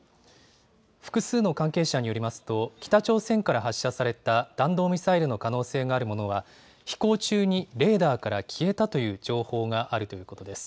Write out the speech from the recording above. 複数の関係者によりますと、北朝鮮から発射された弾道ミサイルの可能性があるものは、飛行中にレーダーから消えたという情報があるということです。